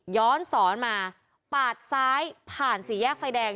ย้อนสอนมาปาดซ้ายผ่านสี่แยกไฟแดง